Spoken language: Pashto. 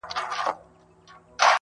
ناځوانه ښه ښېرا قلندري کړې ده_